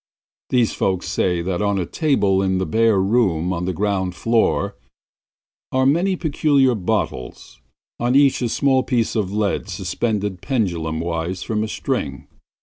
These folk say that on a table in a bare room on the ground floor are many peculiar bottles, in each a small piece of lead suspended pendulum wise from a string.